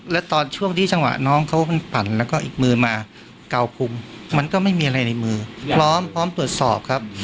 แล้วตอนช่วงที่จังหวะน้องเขามันปั่นแล้วก็อีกมือมาเกาคุมมันก็ไม่มีอะไรในมือพร้อมพร้อมตรวจสอบครับ